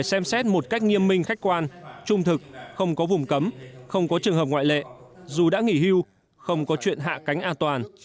xem xét một cách nghiêm minh khách quan trung thực không có vùng cấm không có trường hợp ngoại lệ dù đã nghỉ hưu không có chuyện hạ cánh an toàn